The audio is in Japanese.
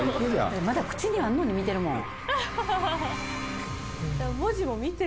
まだ口にあんのに見てるもん